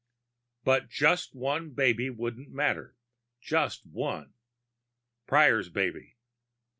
But just one baby wouldn't matter. Just one. Prior's baby.